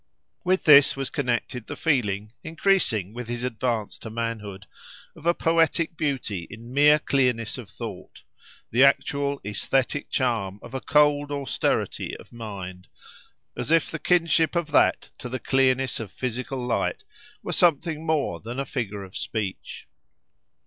With this was connected the feeling, increasing with his advance to manhood, of a poetic beauty in mere clearness of thought, the actually aesthetic charm of a cold austerity of mind; as if the kinship of that to the clearness of physical light were something more than a figure of speech.